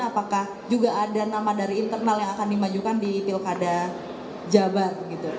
apakah juga ada nama dari internal yang akan dimajukan di pilkada jabar